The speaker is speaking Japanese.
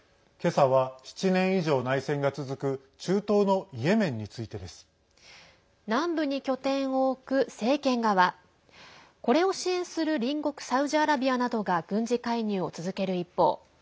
けさは、７年以上内戦が続く中東のイエメンについてです。南部に拠点を置く政権側これを支援する隣国サウジアラビアなどが軍事介入を続ける一方